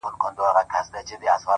هغه خو دا گراني كيسې نه كوي،